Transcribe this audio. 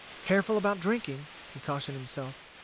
"Careful about drinking," he cautioned himself.